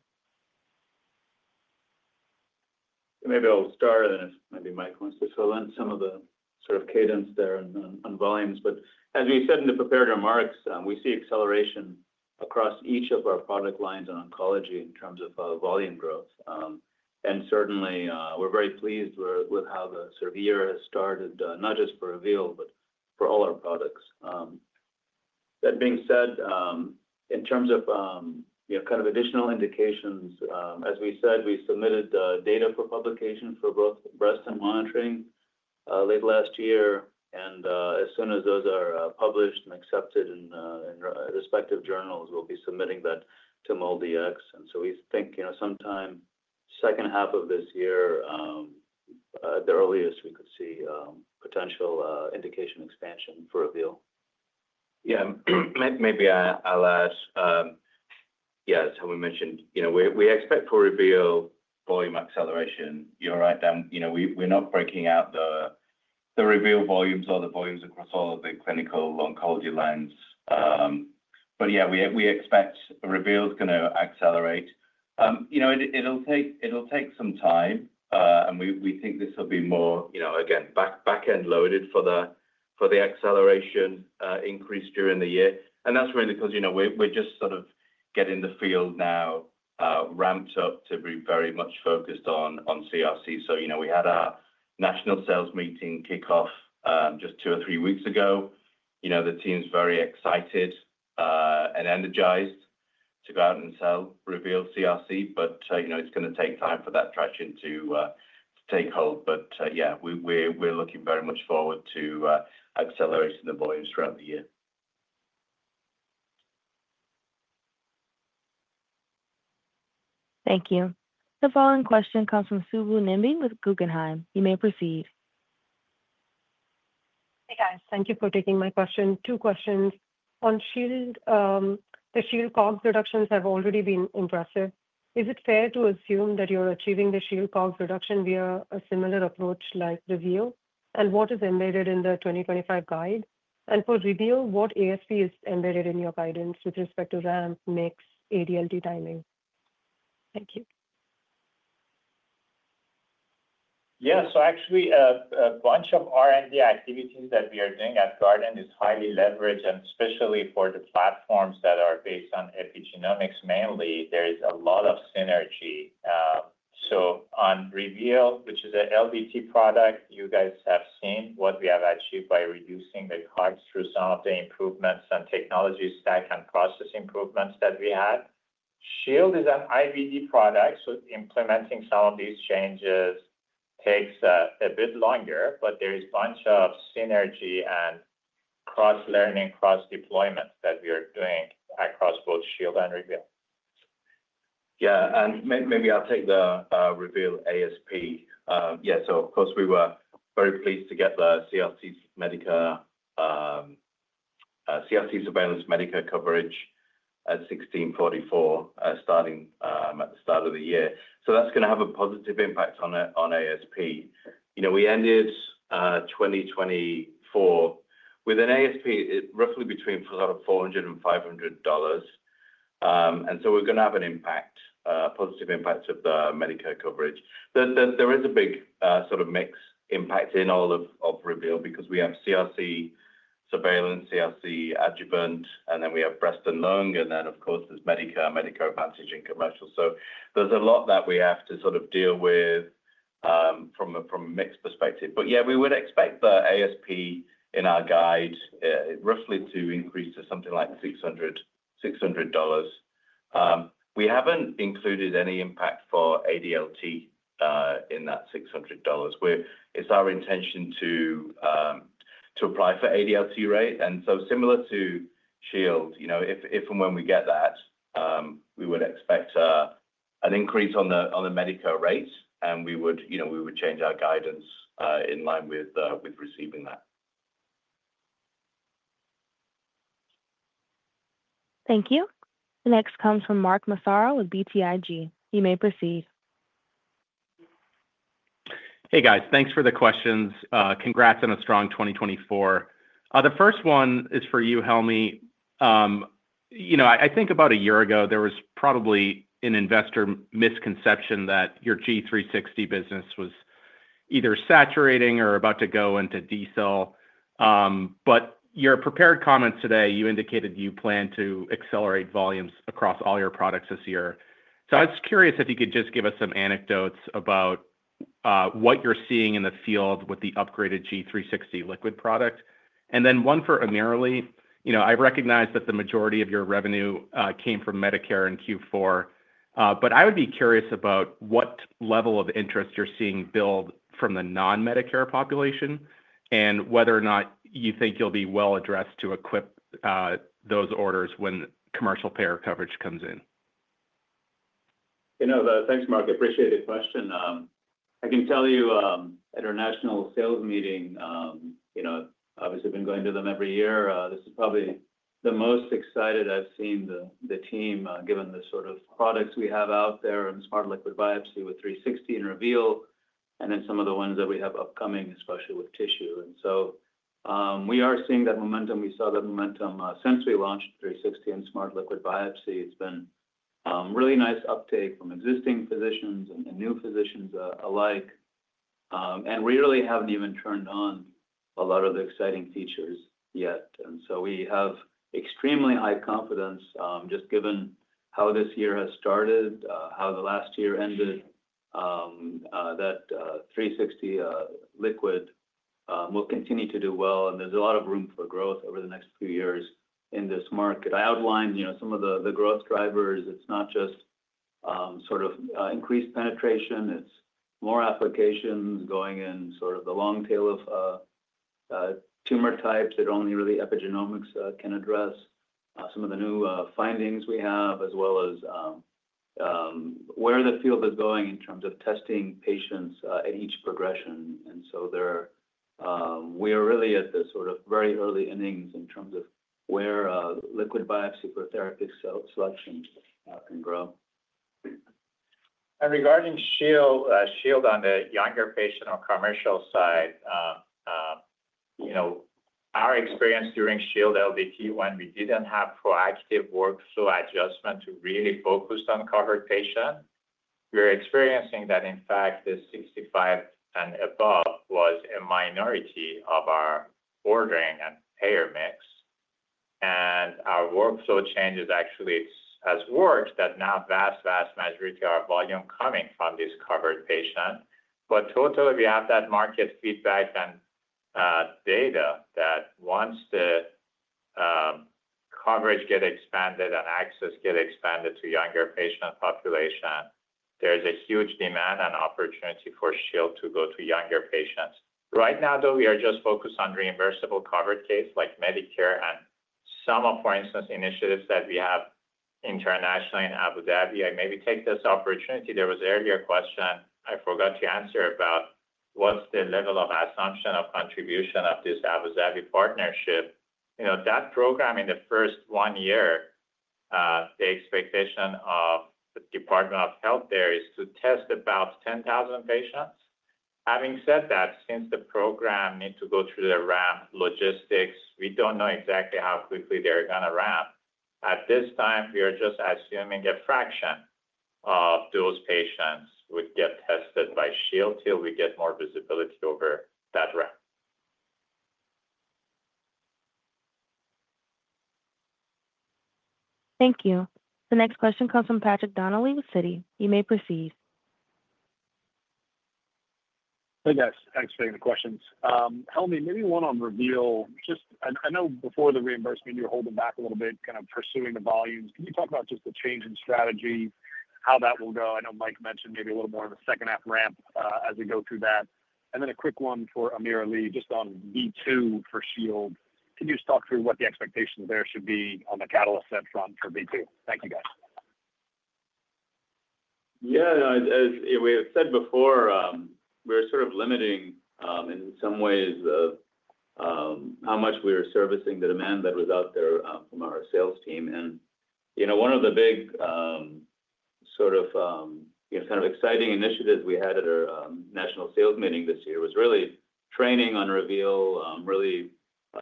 Maybe I'll start, and then if maybe Mike wants to fill in some of the sort of cadence there on volumes. But as we said in the prepared remarks, we see acceleration across each of our product lines in oncology in terms of volume growth. And certainly, we're very pleased with how the sort of year has started, not just for Reveal, but for all our products. That being said, in terms of kind of additional indications, as we said, we submitted data for publication for breast and monitoring late last year. And as soon as those are published and accepted in respective journals, we'll be submitting that to MolDX. And so we think sometime second half of this year, at the earliest, we could see potential indication expansion for Reveal. Yeah, maybe I'll add, yeah, as Helmy mentioned, we expect for Reveal volume acceleration. You're right. We're not breaking out the Reveal volumes or the volumes across all of the clinical oncology lines. But yeah, we expect Reveal is going to accelerate. It'll take some time, and we think this will be more, again, back-end loaded for the acceleration increase during the year. And that's mainly because we're just sort of getting the field now ramped up to be very much focused on CRC. So we had our national sales meeting kick off just two or three weeks ago. The team's very excited and energized to go out and sell Reveal CRC, but it's going to take time for that traction to take hold. But yeah, we're looking very much forward to accelerating the volumes throughout the year. Thank you. The following question comes from Subbu Nambi with Guggenheim. You may proceed. Hey, guys. Thank you for taking my question. Two questions. On Shield, the Shield cost reductions have already been impressive. Is it fair to assume that you're achieving the Shield cost reduction via a similar approach like Reveal? And what is embedded in the 2025 guide? And for Reveal, what ASP is embedded in your guidance with respect to ramp, mix, ADLT timing? Thank you. Yeah, so actually, a bunch of R&D activities that we are doing at Guardant is highly leveraged, and especially for the platforms that are based on epigenomics mainly, there is a lot of synergy. So on Reveal, which is an LDT product, you guys have seen what we have achieved by reducing the cost through some of the improvements and technology stack and process improvements that we had. Shield is an IVD product, so implementing some of these changes takes a bit longer, but there is a bunch of synergy and cross-learning, cross-deployment that we are doing across both Shield and Reveal. Yeah, and maybe I'll take the Reveal ASP. Yeah, so of course, we were very pleased to get the CRC surveillance Medicare coverage at 1644 starting at the start of the year. So that's going to have a positive impact on ASP. We ended 2024 with an ASP roughly between sort of $400 and $500. And so we're going to have an impact, positive impact of the Medicare coverage. There is a big sort of mix impact in all of Reveal because we have CRC surveillance, CRC adjuvant, and then we have breast and lung, and then, of course, there's Medicare, Medicare Advantage and commercial. So there's a lot that we have to sort of deal with from a mixed perspective. But yeah, we would expect the ASP in our guide roughly to increase to something like $600. We haven't included any impact for ADLT in that $600. It's our intention to apply for ADLT rate. And so similar to Shield, if and when we get that, we would expect an increase on the Medicare rate, and we would change our guidance in line with receiving that. Thank you. The next comes from Mark Massaro with BTIG. You may proceed. Hey, guys. Thanks for the questions. Congrats on a strong 2024. The first one is for you, Helmy. I think about a year ago, there was probably an investor misconception that your G360 business was either saturating or about to go into desell. But your prepared comments today, you indicated you plan to accelerate volumes across all your products this year. So I was curious if you could just give us some anecdotes about what you're seeing in the field with the upgraded G360 liquid product. And then one for AmirAli. I recognize that the majority of your revenue came from Medicare in Q4, but I would be curious about what level of interest you're seeing build from the non-Medicare population and whether or not you think you'll be well positioned to fulfill those orders when commercial payer coverage comes in. Thanks, Mark. Appreciate the question. I can tell you at our national sales meeting, obviously, we've been going to them every year. This is probably the most excited I've seen the team, given the sort of products we have out there and Smart Liquid Biopsy with 360 and Reveal, and then some of the ones that we have upcoming, especially with tissue. And so we are seeing that momentum. We saw that momentum since we launched 360 and Smart Liquid Biopsy. It's been a really nice uptake from existing physicians and new physicians alike. And we really haven't even turned on a lot of the exciting features yet. And so we have extremely high confidence, just given how this year has started, how the last year ended, that 360 Liquid will continue to do well. And there's a lot of room for growth over the next few years in this market. I outlined some of the growth drivers. It's not just sort of increased penetration. It's more applications going in sort of the long tail of tumor types that only really epigenomics can address, some of the new findings we have, as well as where the field is going in terms of testing patients at each progression. And so we are really at the sort of very early innings in terms of where liquid biopsy for therapeutic selection can grow. And regarding Shield on the younger patient or commercial side, our experience during Shield LDT, when we didn't have proactive workflow adjustment to really focus on covered patients, we're experiencing that, in fact, the 65 and above was a minority of our ordering and payer mix. And our workflow changes actually has worked that now vast, vast majority of our volume coming from this covered patient. Totally, we have that market feedback and data that once the coverage gets expanded and access gets expanded to younger patient population, there's a huge demand and opportunity for Shield to go to younger patients. Right now, though, we are just focused on reimbursable covered cases like Medicare and some of, for instance, initiatives that we have internationally in Abu Dhabi. I maybe take this opportunity. There was an earlier question I forgot to answer about what's the level of assumption of contribution of this Abu Dhabi partnership. That program, in the first one year, the expectation of the Department of Health there is to test about 10,000 patients. Having said that, since the program needs to go through the ramp logistics, we don't know exactly how quickly they're going to ramp. At this time, we are just assuming a fraction of those patients would get tested by Shield till we get more visibility over that ramp. Thank you. The next question comes from Patrick Donnelly with Citi. You may proceed. Hey, guys. Thanks for taking the questions. Helmy, maybe one on Reveal. Just, I know before the reimbursement, you were holding back a little bit kind of pursuing the volumes. Can you talk about just the change in strategy, how that will go? I know Mike mentioned maybe a little more on the second half ramp as we go through that. And then a quick one for AmirAli just on V2 for Shield. Can you just talk through what the expectations there should be on the catalyst set front for V2? Thank you, guys. Yeah. As we have said before, we're sort of limiting in some ways of how much we were servicing the demand that was out there from our sales team. And one of the big sort of kind of exciting initiatives we had at our national sales meeting this year was really training on Reveal, really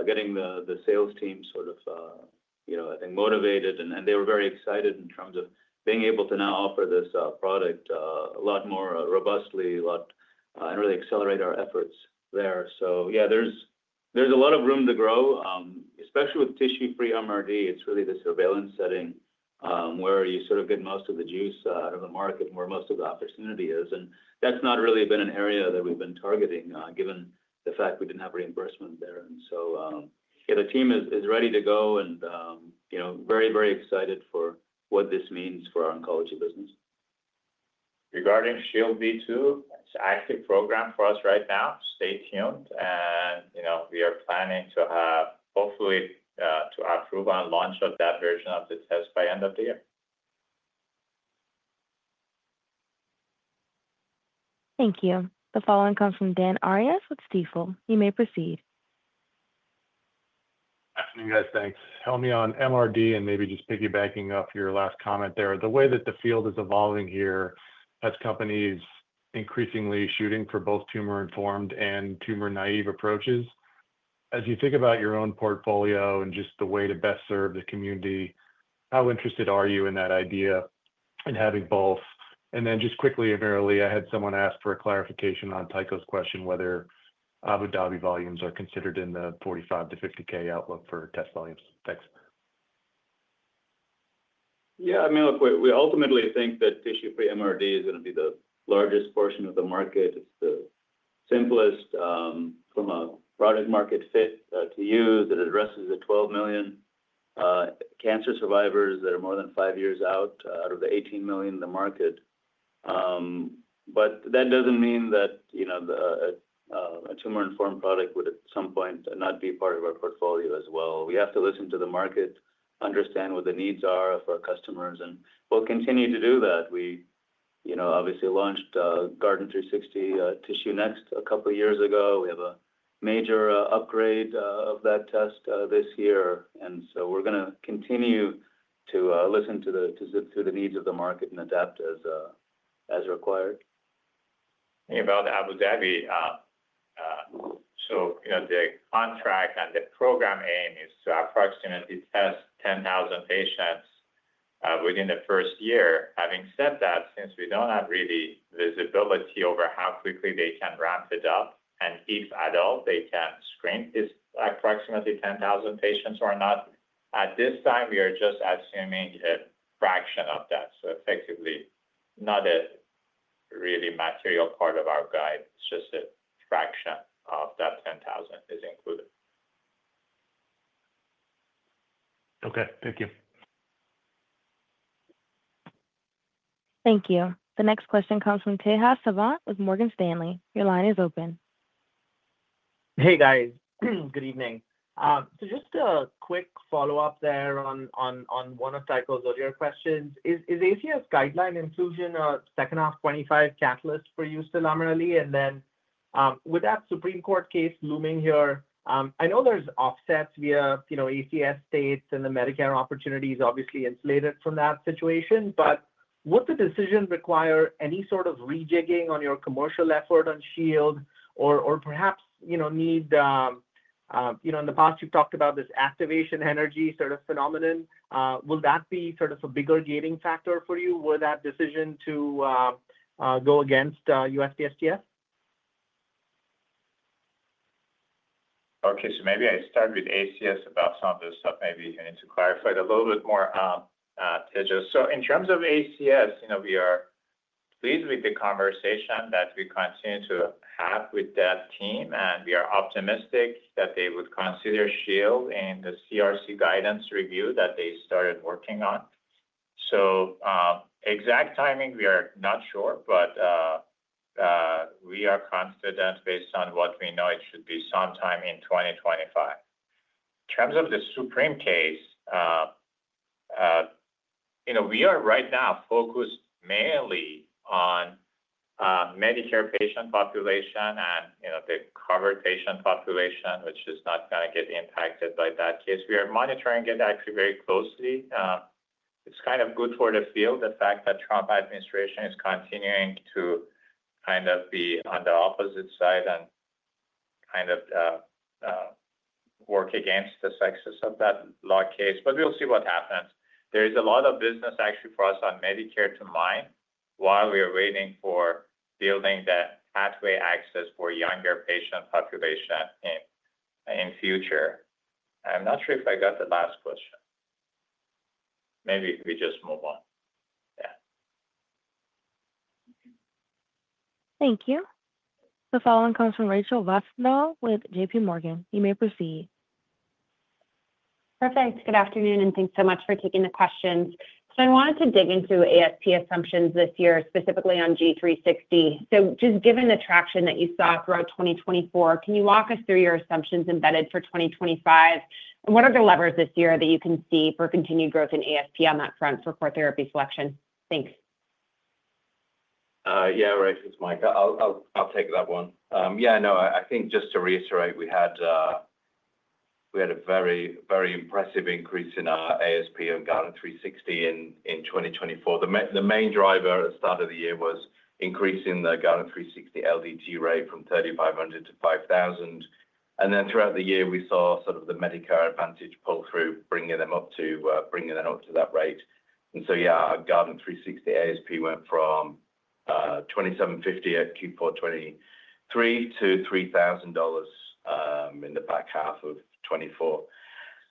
getting the sales team sort of, I think, motivated. And they were very excited in terms of being able to now offer this product a lot more robustly and really accelerate our efforts there. So yeah, there's a lot of room to grow, especially with tissue-free MRD. It's really the surveillance setting where you sort of get most of the juice out of the market and where most of the opportunity is. And that's not really been an area that we've been targeting given the fact we didn't have reimbursement there. And so the team is ready to go and very, very excited for what this means for our oncology business. Regarding Shield V2, it's an active program for us right now. Stay tuned. And we are planning to have, hopefully, to approve and launch that version of the test by end of the year. Thank you. The following comes from Dan Arias with Stifel. You may proceed. Good afternoon, guys. Thanks. Helmy on MRD and maybe just piggybacking off your last comment there. The way that the field is evolving here as companies increasingly shooting for both tumor-informed and tumor-naive approaches, as you think about your own portfolio and just the way to best serve the community, how interested are you in that idea and having both? And then just quickly, AmirAli, I had someone ask for a clarification on Tycho's question whether Abu Dhabi volumes are considered in the 45-50K outlook for test volumes. Thanks. Yeah. I mean, look, we ultimately think that tissue-free MRD is going to be the largest portion of the market. It's the simplest from a product-market fit to use. It addresses the 12 million cancer survivors that are more than five years out of the 18 million in the market. But that doesn't mean that a tumor-informed product would at some point not be part of our portfolio as well. We have to listen to the market, understand what the needs are of our customers, and we'll continue to do that. We obviously launched Guardant360 TissueNext couple of years ago. We have a major upgrade of that test this year. We're going to continue to listen to the needs of the market and adapt as required. About Abu Dhabi, the contract and the program aim is to approximately test 10,000 patients within the first year. Having said that, since we don't have really visibility over how quickly they can ramp it up and if at all they can screen approximately 10,000 patients or not, at this time, we are just assuming a fraction of that. So effectively, not a really material part of our guide. It's just a fraction of that 10,000 is included. Okay. Thank you. Thank you. The next question comes from Tejas Savant with Morgan Stanley. Your line is open. Hey, guys. Good evening. So just a quick follow-up there on one of Tycho's earlier questions. Is ACS guideline inclusion a second half 2025 catalyst for you still, AmirAli? And then with that Supreme Court case looming here, I know there's offsets via ACS states and the Medicare opportunities obviously insulated from that situation. But would the decision require any sort of rejigging on your commercial effort on Shield or perhaps, in the past, you've talked about this activation energy sort of phenomenon. Will that be sort of a bigger gating factor for you? Will that decision go against USPSTF? Okay. So maybe I start with ACS about some of this stuff. Maybe you need to clarify it a little bit more, Tycho. So in terms of ACS, we are pleased with the conversation that we continue to have with that team. And we are optimistic that they would consider Shield in the CRC guidance review that they started working on. So exact timing, we are not sure, but we are confident based on what we know it should be sometime in 2025. In terms of the Supreme case, we are right now focused mainly on Medicare patient population and the covered patient population, which is not going to get impacted by that case. We are monitoring it actually very closely. It's kind of good for the field, the fact that Trump administration is continuing to kind of be on the opposite side and kind of work against the success of that law case. But we'll see what happens. There is a lot of business actually for us on Medicare to mine while we are waiting for building that pathway access for younger patient population in future. I'm not sure if I got the last question. Maybe we just move on. Yeah. Thank you. The following comes from Rachel Vatnsdal with J.P. Morgan. You may proceed. Perfect. Good afternoon, and thanks so much for taking the questions. I wanted to dig into ASP assumptions this year, specifically on G360. Just given the traction that you saw throughout 2024, can you walk us through your assumptions embedded for 2025? And what are the levers this year that you can see for continued growth in ASP on that front for core therapy selection? Thanks. Yeah, Rachel it's Mike. I'll take that one. Yeah. No, I think just to reiterate, we had a very, very impressive increase in our ASP on Guardant360 in 2024. The main driver at the start of the year was increasing the Guardant360 LDT rate from $3,500 to $5,000. And then throughout the year, we saw sort of the Medicare Advantage pull through, bringing them up to that rate. And so, yeah, our Guardant360 ASP went from $2,750 at Q4 2023 to $3,000 in the back half of 2024.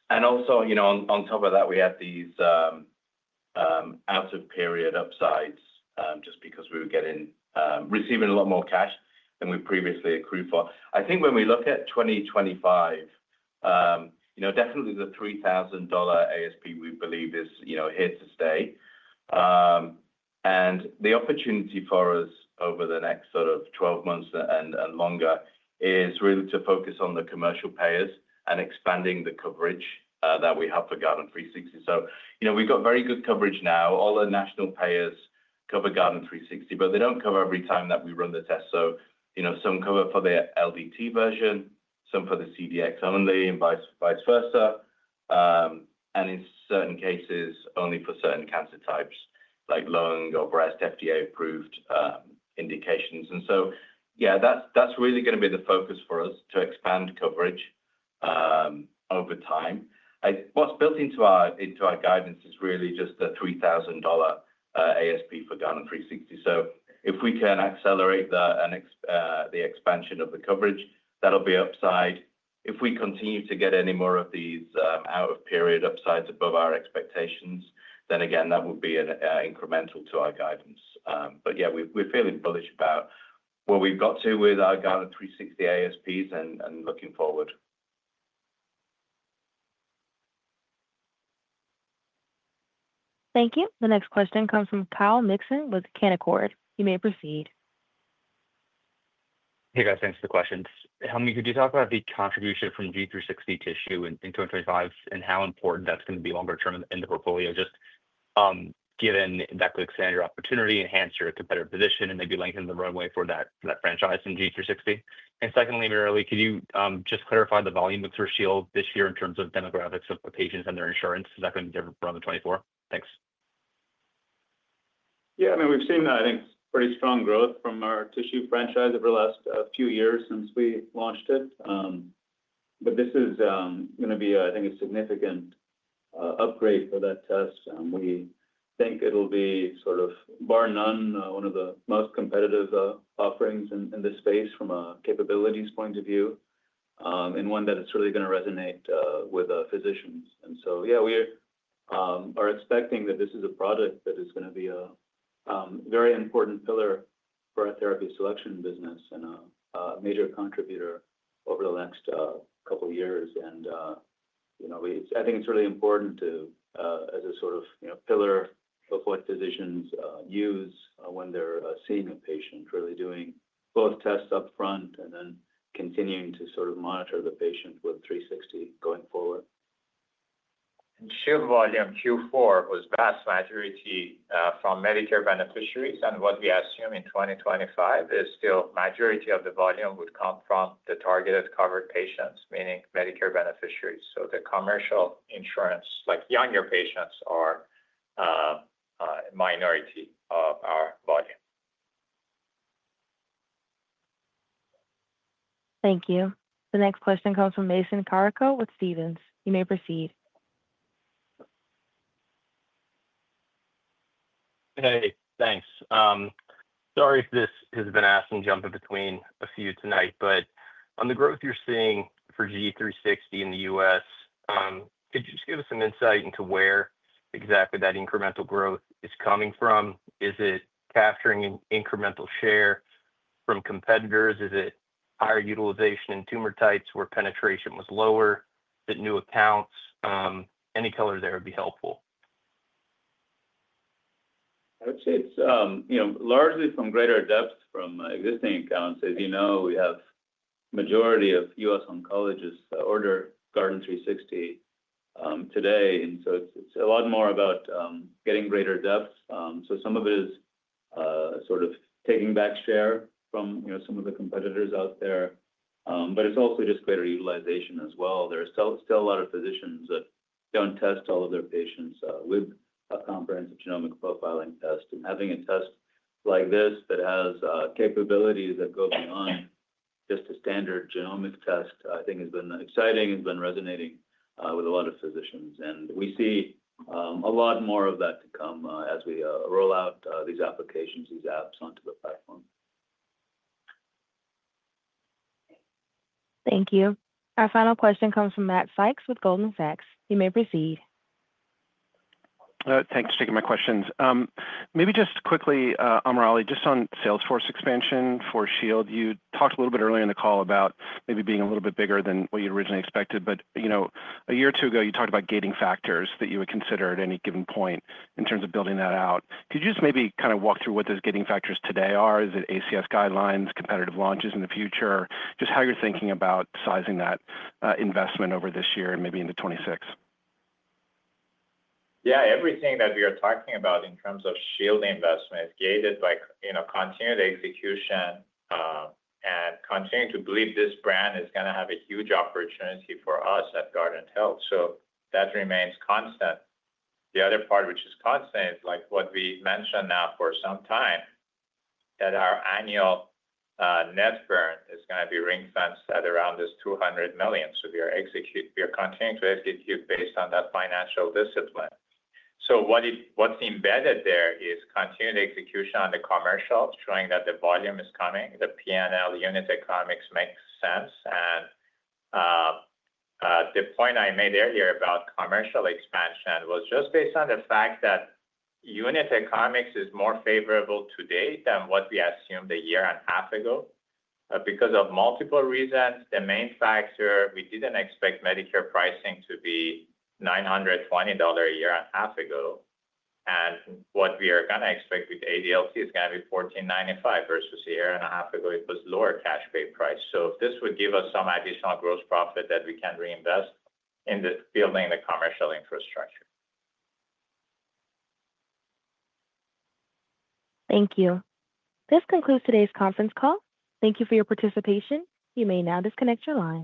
And also, on top of that, we had these out-of-period upsides just because we were receiving a lot more cash than we previously accrued for. I think when we look at 2025, definitely the $3,000 ASP we believe is here to stay. And the opportunity for us over the next sort of 12 months and longer is really to focus on the commercial payers and expanding the coverage that we have for Guardant360. So we've got very good coverage now. All the national payers cover Guardant360, but they don't cover every time that we run the test. So some cover for the LDT version, some for the CDx only, and vice versa. And in certain cases, only for certain cancer types like lung or breast FDA-approved indications. And so, yeah, that's really going to be the focus for us to expand coverage over time. What's built into our guidance is really just the $3,000 ASP for Guardant360. So if we can accelerate the expansion of the coverage, that'll be upside. If we continue to get any more of these out-of-period upsides above our expectations, then again, that will be incremental to our guidance. But yeah, we're feeling bullish about where we've got to with our Guardant360 ASPs and looking forward. Thank you. The next question comes from Kyle Mixon with Canaccord. You may proceed. Hey, guys. Thanks for the question. Helmy, could you talk about the contribution from G360 tissue in 2025 and how important that's going to be longer term in the portfolio just given that could expand your opportunity, enhance your competitive position, and maybe lengthen the runway for that franchise in G360? And secondly, Amir Ali, could you just clarify the volume for Shield this year in terms of demographics of the patients and their insurance? Is that going to be different from 2024? Thanks. Yeah. I mean, we've seen that, I think, pretty strong growth from our tissue franchise over the last few years since we launched it. But this is going to be, I think, a significant upgrade for that test. We think it'll be sort of bar none, one of the most competitive offerings in this space from a capabilities point of view and one that is really going to resonate with physicians. And so, yeah, we are expecting that this is a product that is going to be a very important pillar for our therapy selection business and a major contributor over the next couple of years. And I think it's really important as a sort of pillar of what physicians use when they're seeing a patient, really doing both tests upfront and then continuing to sort of monitor the patient with 360 going forward. In Shield volume Q4, it was vast majority from Medicare beneficiaries. And what we assume in 2025 is still majority of the volume would come from the targeted covered patients, meaning Medicare beneficiaries. So the commercial insurance, like younger patients, are a minority of our volume. Thank you. The next question comes from Mason Carrico with Stephens. You may proceed. Hey, thanks. Sorry if this has been asked and jumping between a few tonight. But on the growth you're seeing for G360 in the U.S., could you just give us some insight into where exactly that incremental growth is coming from? Is it capturing an incremental share from competitors? Is it higher utilization in tumor types where penetration was lower? Is it new accounts? Any color there would be helpful. I would say it's largely from greater depth from existing accounts. As you know, we have the majority of U.S. oncologists order Guardant360 today. And so it's a lot more about getting greater depth. So some of it is sort of taking back share from some of the competitors out there. But it's also just greater utilization as well. There are still a lot of physicians that don't test all of their patients with a comprehensive genomic profiling test. And having a test like this that has capabilities that go beyond just a standard genomic test, I think, has been exciting. It's been resonating with a lot of physicians. And we see a lot more of that to come as we roll out these applications, these apps onto the platform. Thank you. Our final question comes from Matt Sykes with Goldman Sachs. You may proceed. Thanks for taking my questions. Maybe just quickly, AmirAli, just on sales force expansion for Shield. You talked a little bit earlier in the call about maybe being a little bit bigger than what you originally expected. But a year or two ago, you talked about gating factors that you would consider at any given point in terms of building that out. Could you just maybe kind of walk through what those gating factors today are? Is it ACS guidelines, competitive launches in the future, just how you're thinking about sizing that investment over this year and maybe into 2026? Yeah. Everything that we are talking about in terms of Shield investment is gated by continued execution and continuing to believe this brand is going to have a huge opportunity for us at Guardant Health. So that remains constant. The other part, which is constant, is what we mentioned now for some time, that our annual net burn is going to be ring-fenced at around this $200 million. So we are continuing to execute based on that financial discipline. So what's embedded there is continued execution on the commercial, showing that the volume is coming. The P&L unit economics makes sense. And the point I made earlier about commercial expansion was just based on the fact that unit economics is more favorable today than what we assumed a year and a half ago because of multiple reasons. The main factor, we didn't expect Medicare pricing to be $920 a year and a half ago. And what we are going to expect with ADLT is going to be $1,495 versus a year and a half ago, it was lower cash pay price. So this would give us some additional gross profit that we can reinvest in building the commercial infrastructure. Thank you. This concludes today's conference call. Thank you for your participation. You may now disconnect your line.